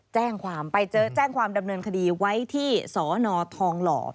แจ้งความดำเนินคดีไว้ที่สนทองหล่อ